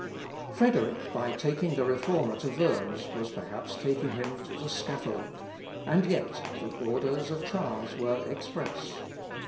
Frederick, by taking the Reformer to Worms, was perhaps taking him to the scaffold; and yet the orders of Charles were express.